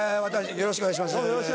よろしくお願いします。